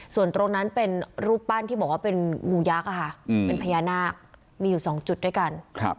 ส่วนตรงนั้นเป็นรูปปั้นที่บอกว่าเป็นงูยักษ์เป็นพญานาคมีอยู่๒จุดด้วยกัน